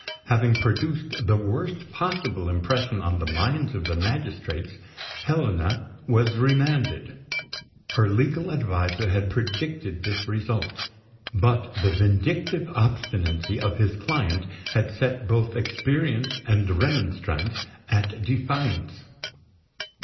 Having produced the worst possible impression on the minds of the magistrates, Helena was remanded. Her legal adviser had predicted this result; but the vindictive obstinacy of his client had set both experience and remonstrance at defiance.